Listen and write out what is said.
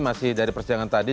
masih dari persidangan tadi